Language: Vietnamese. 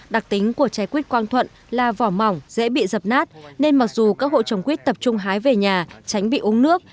đặc tính của trái quýt quang thuận là vỏ mỏng dễ bị dập nát nên mặc dù các hộ trồng quýt tập trung hái về nhà tránh bị uống nước